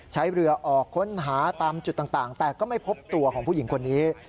ใช้เรือออกค้นหาตามจุดต่างแต่ก็ไม่พบตัวของผู้หญิงคนนี้